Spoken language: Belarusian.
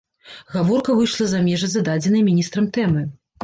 Гаворка выйшла за межы зададзенай міністрам тэмы.